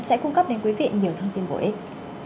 sẽ cung cấp đến quý vị nhiều thông tin bổ ích